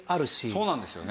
そうなんですよね。